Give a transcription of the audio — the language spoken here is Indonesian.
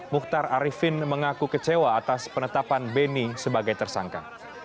mukhtar arifin mengaku kecewa atas penetapan beni sebagai tersangka